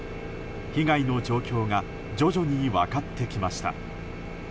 被害の状況が徐々に分かってきました。